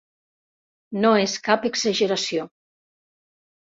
No és cap exageració.